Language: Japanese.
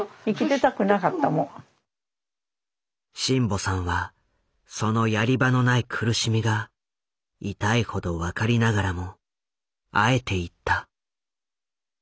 眞保さんはそのやり場のない苦しみが痛いほど分かりながらもあえて言った。